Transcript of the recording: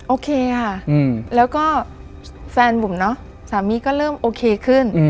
โอเคค่ะแล้วก็แฟนบุ๋มเนอะสามีก็เริ่มโอเคขึ้น